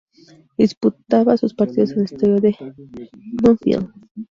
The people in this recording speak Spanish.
Disputaba sus partidos en el estadio de Bloomfield.